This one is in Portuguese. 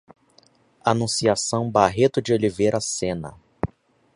Anunciação Barreto de Oliveira Sena